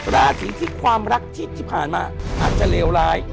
ราศีที่ความรักที่ผ่านมาอาจจะเลวร้าย